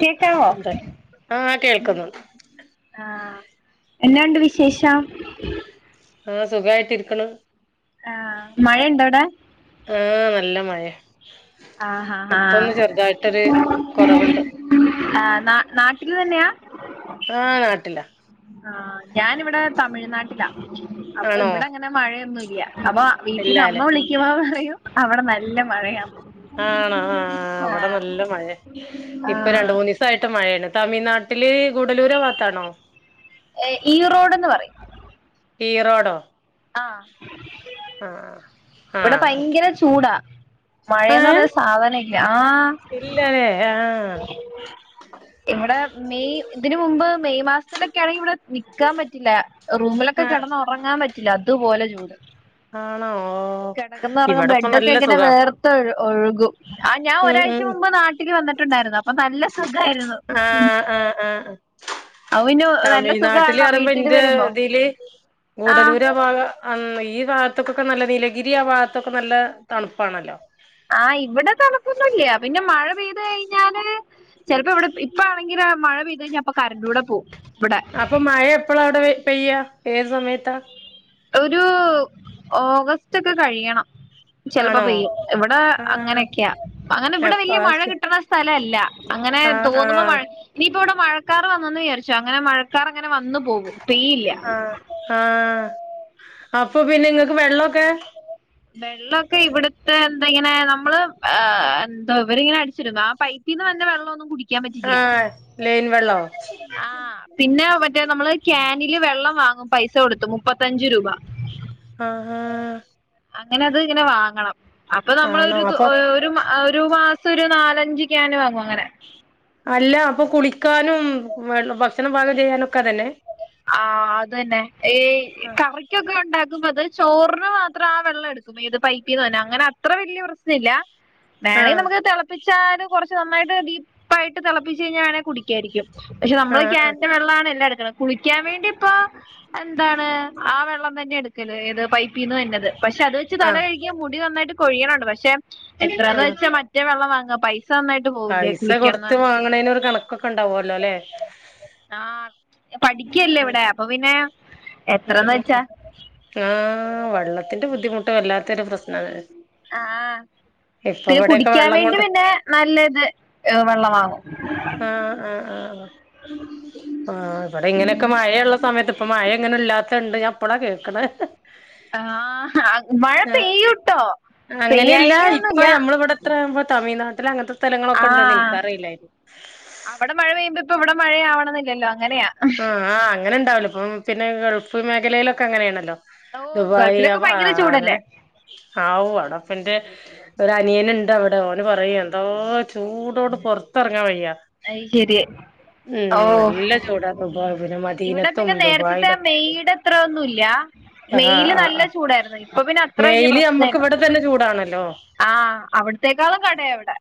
കേക്കാവോ ഉണ്ട് ആഹ് കേൾക്കുന്നുണ്ട് ആഹ് എന്നാണ്ട് വിശേഷം ആ ഹ് സുഖയിട്ട് ഇരിക്കണ് ആഹ് മഴണ്ടോ അവിടെ ആഹ് നല്ല മഴ ആഹ് ഹ ഇപ്പൊന്ന് ചെറുതായിട്ടൊരു കുറവുണ്ട്. ആഹ് നാ നാട്ടിൽ തന്നെയാ ആഹ് നാട്ടില ആഹ് ഞാനിവിടെ തമിഴ്നാട്ടിലാ അപ്പൊ ആണോ ഇവിടെ അങ്ങനെ മഴയൊന്നുമില്ല അപ്പൊ വീട്ടിന്ന് അമ്മ ഇല്ലാല്ലേ വിളിക്കുവാ പറയും അവിടെ നല്ല മഴയാന്ന്. ആണോ ആ അവിടെ ആഹ് നല്ല മഴയാ ഇപ്പൊ ആഹ് രണ്ട് മൂന്ന് ദിവസ യിട്ട് മഴയാണ് തമിഴ്നാട്ടിൽ ഗുഡലൂർ ഭാഗത്താണോ എ ഈ റോഡ്ന്ന് പറയും. ഈ റോഡോ ആഹ് ആഹ് ഇവിടെ ആഹ് ഭയങ്കര ചൂടാ മഴയെന്ന് പറഞ്ഞ സാധനമില്ല ആഹ് ഇല്ലനേ ആഹ് ഇവിടെ മെയ് ഇതിന് മുമ്പ് മെയ് മാസത്തിലൊക്കെയ ആണെങ്കിൽ ഇവിടെ നിൽക്കാൻ പറ്റില്ല. റൂമിലൊക്കെ ആഹ് കിടന്ന് ഉറങ്ങാൻ പറ്റില്ല അതുപോലെ ചൂട് ആണോ ഓ കിടക്കെന്ന് പറഞ്ഞ ഇവിടെപ്പ ബെഡൊക്കെ നല്ല ഇങ്ങനെ സുഖാ വേർ ഒഴുകും ആ ഞൻ ഉം ഒരാഴ്ച ഉം മുമ്പ് നാട്ടിൽ വന്നിട്ടുണ്ടായിരുന്നു അപ്പൊ നല്ല സുഖമായിരുന്നു. ആഹ് ആഹ് ആഹ് അത് പിന്നെ നല്ല തമിഴ്നാട്ടിൽ സുഖമാണല്ലോ മാറുമ്പോ വീട്ടിൽ എന്റെ വരുമ്പോ ഇതിയിൽ ആ കൂടലൂർ ഭാഗ ആ ഈ ഭാഗത്തൊക്കൊക്കെ നല്ല നീലഗിരി ആ ഭാഗത്തൊക്കെ നല്ല തണുപ്പാണല്ലോ. ആ ഇവിടെ തണുപ്പൊന്നുമില്ല പിന്നെ മഴ പെയ്ത് കഴിഞ്ഞാൽ ചിലപ്പോ ഇവിടെ ഇപ്പ ആണെങ്കിൽ മഴ പെയ്തു കഴിഞ്ഞ അപ്പൊ കറണ്ട് കൂടെ പോവും ഇവിടെ അപ്പൊ മഴ എപ്പോഴ അവിടെ പെയ്യ ഏത് സമയത്താ ഒരു ഓഗസ്റ്റ് ഒക്കെ കഴിയണം ചെലപ്പോ ആണോ പെയ്യും ഇവിടെ ആഹ് അങ്ങനെക്കെയാ അങ്ങനെ ഇവിടെ അപ്പ വല്ല്യ മഴ കിട്ടണ സ്ഥല അല്ല അങ്ങനെ ആഹ് തോന്നുമ്പോ ആഹ് മഴ ഇനിയിപ്പോ ഇവിടെ മഴക്കാർ വന്നന്ന് വിചാരിച്ചോ അങ്ങനെ മഴക്കാർ അങ്ങനെ വന്നു പോകും പെയ്യില്ല ആ അപ്പൊ പിന്നെ ങ്ങൾക്ക് വെള്ളോക്കെ വെള്ളോക്കെ ഇവിടത്തെ ന്താങ്ങനെ നമ്മള് എന്തോ ഇവരിങ്ങനെ അടിച്ചിരുന്നു ആ പൈ പീന്നവന്ന വെള്ളൊന്നും കുടിക്കാൻ പറ്റില്ല്യാ ആഹ് ലൈൻ വെള്ളോ ആ പിന്നെ മറ്റേ നമ്മള് കാനില് വെള്ളം വാങ്ങും പൈസ കൊടുത്തു മുപ്പത്തഞ്ചു രൂപ ആഹാ അങ്ങനെ അത്ങ്ങനെ വാങ്ങണം അപ്പൊ ആഹ് നമ്മൾ ആണോ ഒരു ത് അപ്പൊ ഒരു ഒരു മാ- സൊരു നാലഞ്ച് കാന് വാങ്ങും അങ്ങനെ അല്ല അപ്പൊ കുളിക്കാനും ഭക്ഷണം പാകം ചെയ്യാനൊക്കെ അതെന്നെ ആ അതെന്നെ ഈ ആഹ് കറിക്കൊക്കെണ്ടാക്കുമ്പോ അത് ചോറിന് മാത്രം ആ വെള്ളം എടു [unintelligible] അങ്ങനെ അത്ര വല്ല്യ പ്രശ്ന ഇല്ല വേണേ ആഹ് നമക്ക് തിളപ്പിച്ചാല് കുറച്ച് നന്നായിട്ട് ഡീപ്പായിട്ട് തിളപ്പിച്ച് കഴിഞ്ഞാ അങ്ങനെ കുടിക്കായിരിക്കും പക്ഷെ നമ്മള് ആഹ് ഈക്യാന്റെ വെള്ളാണ് എല്ലാം എടുക്കണത് കുളി ക്കാൻ വേണ്ടി പ്പൊ എന്താണ് ആ വെള്ളം തന്നെ എടുക്കല് ഏത് പൈപ്പീന്ന് വന്നത് പക്ഷെ അത് വെച്ച് തല ആഹ് കഴുകിയ മുടി നന്നായിട്ട് കൊഴിയണണ്ട് പക്ഷെ എത്രന്ന് ആഹ് വെച്ചാ മ മറ്റ വെള്ളം വാങ്ങ പൈസ പോവില്ലേ പൈസ കുളിക്കുന്ന കൊടുത്ത് വാങ്ങണേന ഒരു കണക്കൊക്കെ ഉണ്ടാവല്ലോലെ ആ ഉം പഠിക്കല്ലേവടെ അപ്പൊ പിന്നെ എത്രന്ന് വെച്ചാ ആ വള്ള ത്തിന്റെ ബുദ്ധിമുട്ട് വല്ലാത്തരു പ്രശ്ന ആ ഇപ്പ പിന്നെ ഇവിടെക്കെ കുടിക്കാൻ വെള്ളം വേണ്ടി കൊണ്ട് പിന്നെ നല്ലത് വെള്ളമാങ്ങും ആ ആ ആ ആ ആ ഇവിടെ ഇങ്ങനെക്കെ മഴയള്ള സമയത്ത് ഇപ്പ മഴ ഇങ്ങനെല്ലാത്തണ്ട് ഞാൻ ഇപ്പളാ കേൾക്ണെ ആഹാ മഴ ആഹ് പെയ്യുട്ടോ പെ യ്യായികയൊന്നുല്ല എത്രയാമ്പോ തമിഴ്നാട്ടിൽ അങ്ങത്തെഥലങ്ങളൊക്കെണ്ടന്ന് ആഹ് ഇൻക്കാറില്ലായിരു- അവിടെ മഴ പെയ്യുമ്പോ ഇപ്പ ഇവിടെ മഴയാവണന്നില്ലല്ലോ അങ്ങനെയാ ആ ആ അങ്ങനെണ്ടാവല്ലോ ഇപ്പം പിന്നെ ഗൾഫ് മേഖലയിലൊക്കെ അങ്ങനെണല്ലോ ഓ ദുബായി ഗൾഫിലൊക്കെ ആ ഭയങ്കര ചൂടല്ലേ അങ്ങനെ ആവു അടപ്പന്റെ ഒരനിയനുണ്ടവിടെ ഓന് പറയും എന്തോ ചൂടോണ്ട് പൊറത്തിറങ്ങാൻ വയ്യാ അത് ശരി ഉം ഓ നല്ല ചൂടാ ദുബായ് പിന്നെ ഇവിടെ മദീനത്തും പിന്നെ നേരത്തെത്തെ ദുബായിലൊക്കെ മെയ്യ്ഡ എത്ര ഒന്നുംല്ല ആഹ് മെയില് ആഹ് നല്ല ആഹ് ചൂടായിരുന്നു പ്പൊ പിന്നെ അത്ര വല്യ മെയില് നമ്മക്ക് പ്രശ്നല്ല ഇവിടെ തന്നെ ചൂടാണല്ലോ ആ അവിടത്തേക്കാളും കടയാ അവടെ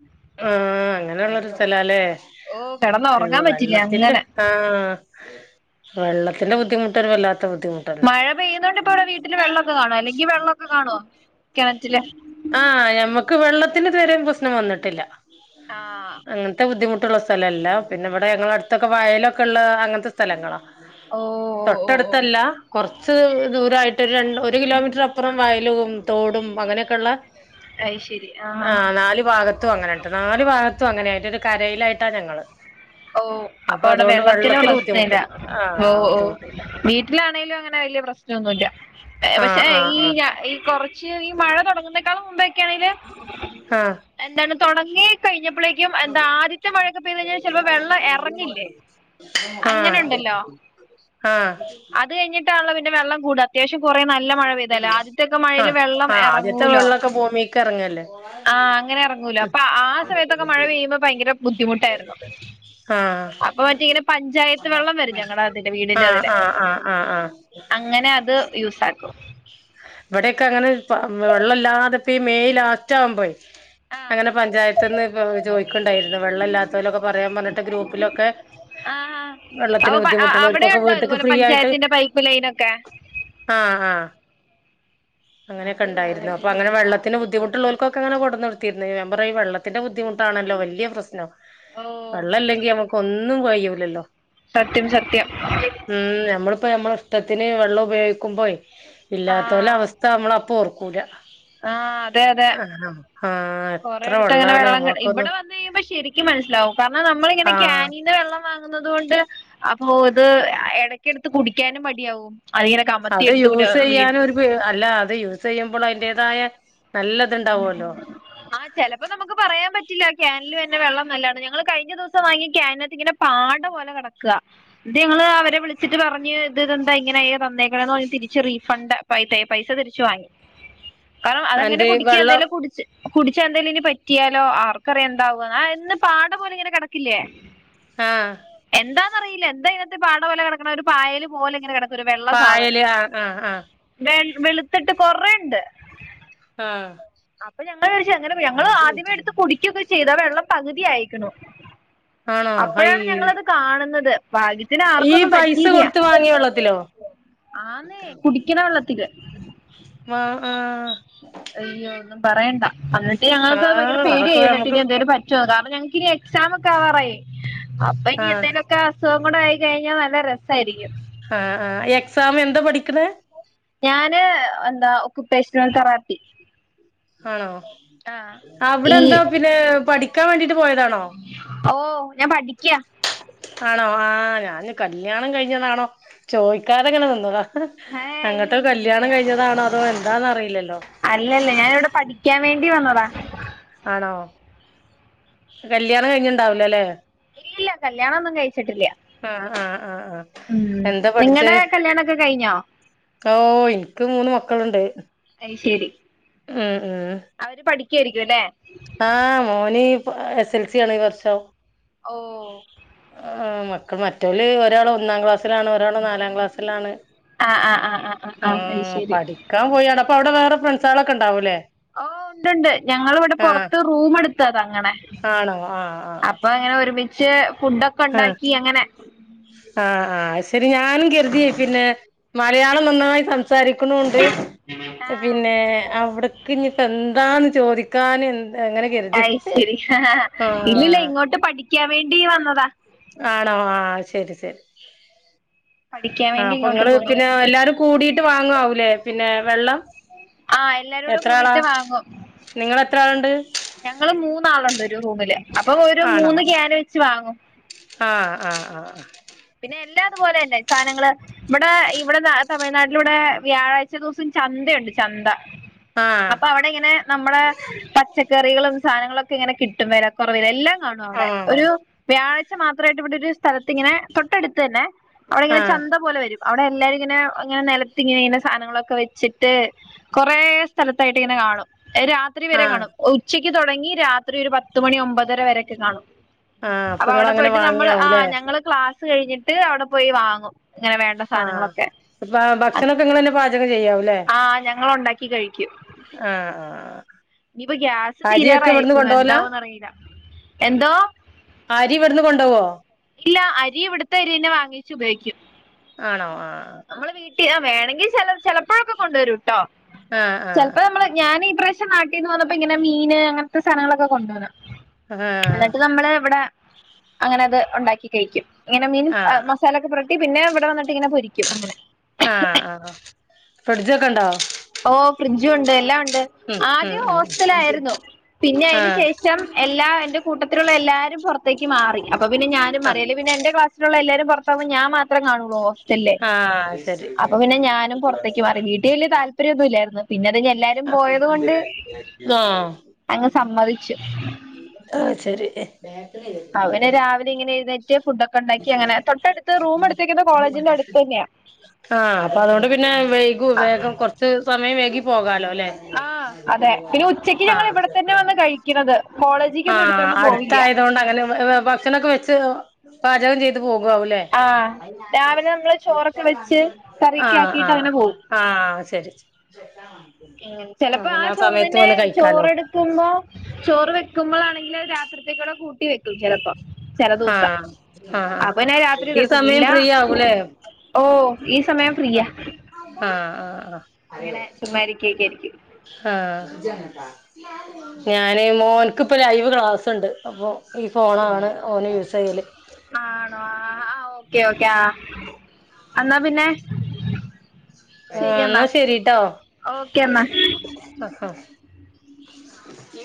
ആ അങ്ങനെള്ളൊരു സ്ഥലാലെ ഓ കിടന്ന ഉറങ്ങാൻ പറ്റില്ല അങ്ങനെ ആ വെള്ളത്തിന്റെ ബുദ്ധിമുട്ടൊരു വല്ലാത്ത ബുദ്ധിമുട്ട് മഴ പെയ്യുന്നതോണ്ട് ഇപ്പവിടെ വീട്ടില് വെള്ളൊക്കെ കാണോ അല്ലെങ്കി വെള്ളൊക്കെ കാണോ കിണറ്റില് ആ ഞമ്മക്ക് വെള്ളത്തിന് ഇത്വരെ പ്രശ്നം വന്നിട്ടില്ല ആ അങ്ങനത്തെ ബുദ്ധിമുട്ടുള്ള സ്ഥലല്ല പിന്നെ ഇവിടെ ഞങ്ങളെ അടുത്തൊക്കെ വയലൊക്കെ ഉള്ള അങ്ങനത്തെ സ്ഥലങ്ങളാ ഓ ഓ ഓ ഓ തൊട്ടടുത്തല്ല കുറച്ച് ദൂരയിട്ട് ര ഒരു കിലോമീറ്റർ അ അപ്പറം വയലും തോടും അങ്ങനെയൊക്കെയുള്ള അത് ശരി ആ ആഹ് നാല് ഭാഗ ത്ത അങ്ങനെട്ട് നാല് ഭാഗത്തും അങ്ങനായിട്ട് ഒരു കരയിലായിട്ടാ ഞങ്ങള് ഓ അപ്പൊ അവിടെ അതുകൊണ്ട് വെള്ളത്തിനും വെള്ളത്തിന് പ്രശ്നല്ല ബുദ്ധിമുട്ടില്ല ആ ഓ ഓ ബുദ്ധിമുട്ടില്ല വീ വീട്ടിലാണെങ്കലും അങ്ങനെ വല്ല്യ പ്രശ്നൊന്നുല്ല ആ പക്ഷെ ആ ഈ ആ ഞ ഈ കോറ് ഈ മഴ തുടങ്ങുന്നേക്കാളും മുമ്പേ ആഹ്. എന്താണ് തൊടങ്ങി കഴിഞ്ഞപ്പോളേക്കും എന്താ ആദ്യത്തെ മഴൊക്കെ പെയ്ത് ചിലപ്പോ വെള്ളം ഇറങ്ങില്ലേ അങ്ങനെ ആഹ്, ഉണ്ടല്ലോ ആഹ്. [unintelligible] പിന്നെ വെള്ളം കൂടാ അത്യാവശ്യം കുറെ. നല്ല മഴ പെയ്താല്ലെ ആദ്യത്തെൊക്കെ ആ മഴയില് വെള്ളം ആ ആദ്യത്തെ ഇറങ്ങൂലോ. വെള്ളമൊക്കെ ഭൂമിക്ക് ഇറങ്ങല്ലേ ആഹ് അങ്ങനെ എറങ്ങൂലെ അപ്പൊ ആ സമയത്തൊക്കെ മഴ പെയ്യുമ്പോ ഭയങ്കര ബുദ്ധിമുട്ടായിരുന്നു. [inaudible] അപ്പൊ ആഹ് മറ്റേ ഇങ്ങനെ ആഹ്, പഞ്ചായത്ത് വെള്ളം വരും ആഹ്, ഞങ്ങളുടെ അതില് ആഹ് വീടിന്റെ അതില് ആഹ ആഹ അങ്ങനെ അത് യൂസാക്കും. വടെക്കെ അങ്ങനെ വെള്ളല്ലാതെപ്പോ ഈ മെയ് ലാസ്റ്റാവുമ്പയ്. ആഹ് അങ്ങനെ പഞ്ചായത്ത്ന്ന് ഇ ചോയിക്ക്ണ്ടായിരുന്നു വെള്ളല്ലാത്തോലൊക്കെ പറയാം പറഞ്ഞിട്ട് ഗ്രൂപ്പിലൊക്കെ. ആഹ് അപ്പൊ വെള്ളത്തിന് പ ബുദ്ധിമുട്ട്ള്ളോല്കൊക്കെ അവിടെയുണ്ടോ വീട്ട്ക്ക് ഇതുപോലെ ഫ്രീയായിട്ട്. പഞ്ചായത്തിന്റെ പൈപ്പ് ലൈനൊക്കെ ആഹ്, ആഹ്. അങ്ങനെക്കണ്ടായിരുന്നു അപ്പോ അങ്ങനെ വെള്ളത്തിന് ബുദ്ധിമുട്ട്ള്ളോല്കൊക്കെ ങ്ങനെ കൊടുന്നൊടുത്തീര്ന്ന് ഞാപറയ ഈ വെള്ളത്തിന് വെള്ളത്തിന്റെ ബുദ്ധിമുട്ടാണല്ലോ വല്ല്യെ പ്രസ്നം ഓ വെള്ളംല്ലെങ്കി ഞ്ഞമ്മക്ക് ഒന്നും കയ്യൂലല്ലോ. സത്യം, സത്യം. ഉം ഞമ്മളിപ്പോ ഞമ്മളെ ഇഷ്ടത്തിന് വെള്ളം ഉപയോഗിക്കുമ്പയ് ഇല്ലാത്തോലെ ആഹ് അവസ്ഥ മ്മള് അപ്പൊ ഓർക്കൂലാ. ആഹ് അതെ അതെ ആഹ് എത്ര കൊറെയെട്ത്ത് അങ്ങനെ വെള്ളാണ് വെള്ളല്ല നമ്മളൊക്കൊന്ന് ഇവിടെ വന്ന് കഴിയുമ്പോ ശെരിക്കും ഇക്ക് മനസ്സിലാവും കാരണം നമ്മളിങ്ങനെ ആഹ് കാനീന്ന് വെള്ളം വാങ്ങി വാങ്ങുന്നത് കൊണ്ട് അപ്പോത് എട്ക്കെടുത്ത് കുടിക്കാനും മടിയാവും. അതിങ്ങനെ അത് കമത്തി എടുത്ത് കുടി വീ യൂസെയ്യാനും ഒരു പേ അല്ല അത് യൂസ് യൂസ് ചെയ്യുമ്പോള് അയിന്റേതായ നല്ലത് ണ്ടാവോലോ ആഹ് ചെലപ്പോ നമ്മക്ക് പറയാൻ പറ്റില്ല ക്യാനില് വരുന്ന വെള്ളം നല്ലാണ് ഞങ്ങള് കഴിഞ്ഞ ദിവസം വാങ്ങിയ ക്യാനാത്ത്ങ്ങനെ. പാട പോലെ കെടക്ക നട്ട് ഞങ്ങള് അവരെ വിളിച്ചിട്ട് പറഞ്ഞു ഇത് തെന്താ ഇങ്ങനെ. തന്നേക്കണെന്ന് പറഞ്ഞ് തിരിച്ച് റീഫണ്ട് പൈ സെ പൈസ തിരിച്ച് വാങ്ങി കാരണം അതങ്ങനെ. എന്ത് ഇക്ക് വെള്ളം ന്തേലും. കുടിച്ച് കുടിച്ചാ എന്തേലും ഇനി പറ്റിയാലോ ആർക്കറിയാം എന്താവാന്ന് ന്ന് പാട പോലെ ഇങ്ങനെ കെടക്കില്ലേ. ആഹ്. എന്താന്നറിയില്ല എന്താ ഇതിനാത്ത് പാട പോലെ കെടക്കണെ ഒരു പായല് പോലെങ്ങനെ കെടക്ക ഒരു വെള്ള സാധനം പായല് ആഹ് ആഹ് ആഹ് വെള് വെള്ത്തിട്ട് കൊറേണ്ട്. ആഹ്. പ്പൊ ഞങ്ങവേടിച് ങ്ങനെ ഞങ്ങള് ആദ്യമേ എടുത്ത് കുടിക്കുകൊക്കെ ചെയ്താ വെള്ളം പകുതിയായിക്കണു. ആണോ ഹയ് അപ്പഴാണ് ഞങ്ങള്ത് കാണുന്നത്. ഭാഗ്യത്തിന് ഈ ആർക്കൊന്നും പൈസ പറ്റീല്ലാ കൊടുത്ത് വാങ്ങിയ വെള്ളത്തിലോ ആന്നേ കുടിക്ക്ണ വെള്ളത്തില്. ആഹ് ആഹ്. അയ്യോ ഒന്നും പറയണ്ട അന്നിട്ട് ഞങ്ങക്കത് ഭയങ്കര ആഹ് പേടിയായി അതൊക്കെ എന്നിട്ട് നമുക്ക് നി എന്തേലും പറ്റൊ അപ്പൊ ഞങ്ങക്കിനി എക്സാം ഒക്കെ ആവാറായി അപ്പൊ ഇനി ആഹ് എന്തേലൊക്കെ. ക്കെ അസുഖം കൂടെ ആയി കഴിഞ്ഞാ നല്ല രസായിരിക്കും. ആഹ്, ആഹ് എക്സാം എന്താ പഠിക്ക്ണ്. ഞാന് എന്താ ഒക്കുപേശ്ണൽ തറാപ്പി. ആണോ ഈ അവിടെന്താ പിന്നെ പഠിക്കാ വേണ്ടീട്ട് പോയതാണോ. ഓഹ് ഞാൻ പഠിക്ക്യ. ആണോ ആഹ് ഞാൻ കല്യാണം കഴിഞ്ഞതാണോ ചോയിക്കാതെങ്ങനെ നിന്നതാ. ഏ ഇല്ല അങ്ങട്ടൊക്കെ ഇല്ല ഇല്ല ഇല്ല കല്ല്യാണം കഴിഞ്ഞതാണോ അതോ എന്താന്നറീലല്ലോ. അല്ലല്ല ഞാനിവിടെ പഠിക്കാവേണ്ടി വന്നതാ. ആണോ. കല്ല്യാണം കഴിഞ്ഞ്ണ്ടാവൂലല്ലെ ഇല്ല കല്ല്യാണൊന്നും കഴിഞ്ഞി ച്ട്ടില്ലാ ആഹ് ആഹ് ആഹ് ആഹ് ഹും എന്താ പഠിച്ചേ നിങ്ങളടെ കല്ല്യാണൊക്കെ കഴിഞ്ഞോ ഓ എനിക്ക് മൂന്ന് മക്കളുണ്ട് അയ്ശരി ഉം ഉം അവര് പഠിക്കായിരിക്കും അല്ലേ ആഹ് മോൻ എസ് എൽ സി ആണ് ഇ വർഷം ഓഹ് ആ മക്കൾ മറ്റോൽ ഒരാൾ ഒന്നാം ക്ലാസ് [unintelligible] ഒരാൾ നാലാം ക്ലാസ്സിലാണ് ആഹ് ആഹ് ആഹ് ആഹ് ആഹ് ആഹ് അത് ശരി പടി കാൻ പോയാണ അവിടെ വേറെ ഫ്രണ്ട്സ് കളൊക്കെ ഉണ്ടാവൂല്ലേ ഓ ഉണ്ട്ണ്ട് ഞങ്ങൾ ഇവിടെ പോറത്ത് റൂം എടുത്താ തങ്ങണെ ആണോ ആഹ് ആഹ് അപ്പൊ അങ്ങനെ ഒരുമിച്ച് ഫുഡൊക്കെ ആഹ് ഉണ്ടാക്കി അങ്ങനെ ആഹ് ആ അത് ശരി ഞാനും കരുതി പിന്നെ മലയാളം നന്നായി സം സംസാരികുണുണ്ട് ആഹ് പിന്നെ അവി ക്കഞ് എന്താന്ന് ചോദിക്കാൻ എങ്ങനെ അയ്ശരി ഇല്ലില്ല ഇങ്ങോട്ട് പഠിക്കാൻ വേണ്ടി വന്നതാ ആണോ ആഹ് ശരി ശരി പഠിക്കാൻ ആ വേണ്ടി ഇങ്ങോട്ട് അപ്പൊങ്ങള് പോന്നു പിന്നെ എല്ലാരും കൂടി ട്ട് വാങ്ങാവൂലേ പിന്നെ വെള്ളം ആഹ് എല്ലാരൂടെ എത്ര ആളാ കൂടിയിട്ട് നിങ്ങെളത്ര ആളുണ്ട് ഞങ്ങൾ മൂന്നാളുണ്ട് ഒരു റൂമില് അപ്പൊ ഒരു ആണോ മൂന്ന് ക്യാൻ വെച്ച് വാങ്ങും ആഹ് ആഹ് ആഹ് പിന്നെ എല്ലാതുപോലെ തന്നെ സാധനങ്ങള് ഇവിടെ ഇവിടെ തമിഴ്നാട്ടില ഇവിടെ വ്യാഴാഴ്ച്ച ദിവസം ചന്തയുണ്ട് ചന്ത ആഹ് അപ്പൊ അവിടെ ഇങ്ങനെ നമ്മുടെ പച്ചക്കറികളും സാധനങ്ങളൊക്കെ ഇങ്ങനെ കിട്ടും വരെ [unintelligible] എല്ലാം കാണും അവിടെ ആഹ് ഒരു വ്യായാച്ച മാത്രായിട്ട് ഇവിടെ ഒരു സ്ഥലത്തി ഇങ്ങനെ തൊട്ടടുത്ത് തന്നെ അവിടെ ഇങ്ങനെ ആഹ് ചന്ത പോലെ വരും അവിടെ എല്ലാരും ഇങ്ങനെ ഇങ്ങനെ നിലത്ത് ഇങ്ങനെ സാധനങ്ങളൊക്കെ വെച്ചിട്ട് കൊറേ സ്ഥലത്തായിട്ട് ഇങ്ങനെ കാണും രാ രാത്രി വരെ ആഹ് കാണും ഉച്ചയ്ക്ക് തുടങ്ങി രാത്രി ഒരു പത്ത് മണി ഒമ്പതര വരയോ ക്കെ കാണും. ആഹ് അപ്പൊ നിങ്ങള് അവിടെ അങ്ങനെ പോയിട്ട് നമ്മള് ആ വാങ്ങിയാവൂലേ ഞങ്ങള് ക്ലാസ് കഴിഞ്ഞിട്ട് അവിടെ പോയി വാങ്ങും ഇങ്ങനെ വേണ്ട ആഹ് സാധനങ്ങളൊക്കെ ഇപ്പ ഭക്ഷണൊക്കെ ഇങ്ങളനെ തന്നെ പാചകം ചെയ്യാവല്ലേ ആ ഞങ്ങൾ ഉണ്ടാക്കി കഴിക്കും ആഹ് ആഹ് ഇനിയിപ്പോ ഗ്യാസ് അരിയൊക്കെ ഇവിടുന്ന് തീരാറയിക്കണു കൊണ്ടോവലാ എന്താവോന്ന്റിയില്ല എന്തോ അരി ഇവിടുന്ന് കൊണ്ടോവോ ഇല്ല അരി ഇവിടുത്ത അരിന്നെ വാങ്ങിച്ച് ഉപയോഗിക്കും ആണോ ആഹ് നമ്മൾ വീട്ടിൽ വേണമെങ്കിൽ ചില ചിലപ്പോഴൊക്കെ കൊണ്ടുവരുംട്ടോ ആഹ് ആഹ് ചിലപ്പോ നമ്മള് ഞാൻ ഈ പ്രാവി പെ നാട്ടിൽന്ന് വന്നപ്പോ ഇങ്ങനെ മീൻ അങ്ങനത്തെ സാധനങ്ങളൊക്കെ കൊണ്ടുവന്ന് ആഹ് എന്നിട്ട് നമ്മള് ഇവിടെ അങ്ങനെ അത് ഉണ്ടാക്കി കഴിക്കും ഇങ്ങനെ മീൻ ആഹ് ആ ആഹ് മാസലക്കെ പോരട്ടി പിന്നെഇവിടെ വന്നിട്ട് ഇങ്ങനെ പൊരിക്കും അങ്ങനെ ആഹ് ആഹ് ഫ്രിഡ്ജൊക്കെ ഉണ്ടോ ഓ ഫ്രിഡ്ജും ഉണ്ട് എല്ലാം ഉണ്ട് ഉം ആദ്യം ഉം ഹോസ്റ്റലായിരുന്നു പിന്നെ അതിന് ആഹ് ശേഷം ശം എല്ലാ എന്റെ കൂട്ടത്തിലുള്ള എല്ലാരും പുറത്തേക്ക് മാറി അപ്പൊ പിനെ ഞാനും മാറി ആഹ് അല്ല പിന്നെ എന്റെ ക്ലാസിലുള്ള എല്ലരും പുറ ഞാൻ മാത്രം കാണുള്ളൂ ഹോസ്റ്റല് ആഹ് ശരി അപ്പൊ പിന്നെ ഞാനും പുറത്തേക്ക് മാറി വീട്ടിൽ വലിയ താല്പര്യ താല്പര്യഒനുലായിരുന്നു പിന്നെ ഞ് എല്ലാരും ആഹ് പോയത് കൊണ്ട് അങ്ങ് സമ്മതിച്ചു ആഹ് ശരി അവനെ രാവിലെ ഇങ്ങനെ എഴുന്നേറ്റ് ഫുഡ് ഒക്കെ ഉണ്ടാക്കി അങ്ങനെ തൊട്ടടുത്ത് റൂം എടുത്തേക്കുന്ന കോളേജിന്റെ അടു ത്ത് തന്നെയാ ആഹ് അപ്പൊ അതുകൊണ്ട് പിന്നെ വൈകും വേഗം കൊറച്ച് സമയം വൈകി പോകാലോ. ല്ലേ ആഹ് അതെ പിന്നെ ഉച്ചക്ക് ഞങ്ങൾ ഇവിടെ തന്നെ വന്ന് ആഹ് കഴിക്കുന്നത് കോളേജിൽ. ആഹ് അടുത്തായതുകൊണ്ട് അങ്ങനെ ഭക്ഷണൊക്കെ വെച്ച് പാചകം ചെയ്ത് പോകാവാവൂല്ലേ. [inaudible] ആ രാവിലെ നമ്മള് ചോറൊക്കെ വെച്ച് കറിയൊക്കെ ആഹ്‌ ആക്കിയിട്ട് ആഹ്. അങ്ങനെ പോകും ആഹ്‌. ശരി ചെലപ്പോ ആ പിന്നെ ചോറ് സമയത്ത് തന്നെ വന്ന് കഴിക്കാലോ ചോറെടു വെക്കുമ്പോ ചോറ് വെക്കുമ്പളാണെങ്കില് അത് രാത്രിത്തേക്കൂടെ കൂട്ടി വെക്കും ചെലപ്പോ. ചെല ദിവസം ആഹ് ആഹ് ആഹ് അപ്പൊപിന്നെ രാത്രി ഈ കെട്ക്കും സമയം ഇല്ല. ഫ്രീ ആവൂലേ ഓ ഈ സമയം ഫ്രീയാ. ആഹ്‌ ആഹ്‌ ആഹ്‌. ങ്ങനെ ചുമ്മാരിക്കൊക്കെ ആയിരിക്കും. ആഹ്‌ ഞാന് മോൻക്ക്‌പ്പം ലൈവ് ക്ലാസ് ണ്ട് അപ്പൊ ഈ ഫോണാണ് ഓന് യൂസ് ചെയ്യല്. ആണോ ആഹ്‌ ആഹ്‌ ഓക്കെ ഓക്കെ ആഹ്‌ അന്നാ പിന്നെ. ശരി ആഹ്‌ ന്നാ എന്നാ ശരിട്ടോ ഓക്കെ എന്നാ ആഹ്‌ ആഹ്